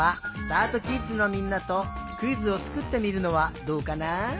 あとキッズのみんなとクイズをつくってみるのはどうかな？